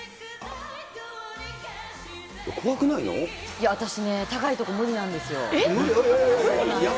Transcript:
いや、私ね、高いとこ無理なえっ？